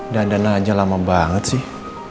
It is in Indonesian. dana aja lama banget sih